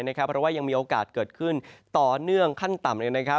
เพราะว่ายังมีโอกาสเกิดขึ้นต่อเนื่องขั้นต่ำ